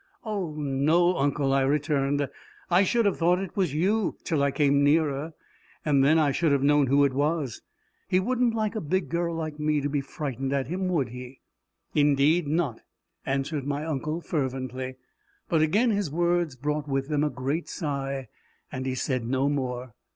"Oh, no, uncle!" I returned. "I should have thought it was you till I came nearer, and then I should have known who it was! He wouldn't like a big girl like me to be frightened at him would he?" "Indeed not!'" answered my uncle fervently; but again his words brought with them a great sigh, and he said no more.